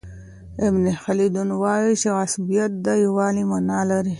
ابن خلدون وايي چي عصبیت د یووالي معنی لري.